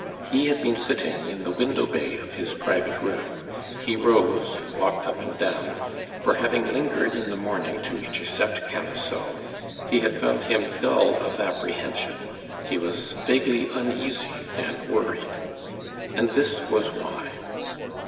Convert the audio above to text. He had been sitting in the window bay of his private room; he rose, and walked up and down, for having lingered in the morning to intercept Camusot, he had found him dull of apprehension; he was vaguely uneasy and worried. And this was why.